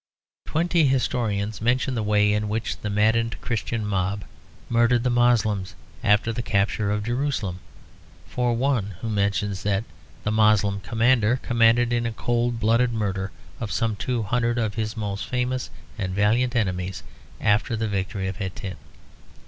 Twenty historians mention the way in which the maddened Christian mob murdered the Moslems after the capture of Jerusalem, for one who mentions that the Moslem commander commanded in cold blood the murder of some two hundred of his most famous and valiant enemies after the victory of Hattin.